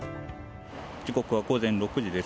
時刻は午前６時です。